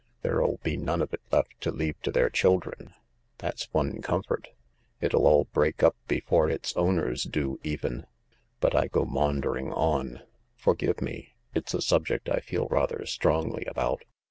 There'll be none of it left to leave to their children — that's one comfort. It'll all break up before its owners do, even. But I go maundering on. Forgive me. It's a subject I feel rather strongly about."